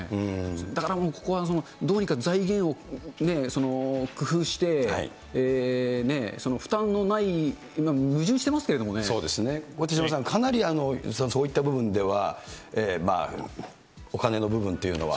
だからもうここはどうにか財源を工夫して、負担のない、これ手嶋さん、かなりそういった部分では、お金の部分というのは。